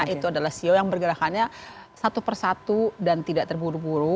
itu adalah sio yang bergerakannya satu persatu dan tidak terburu buru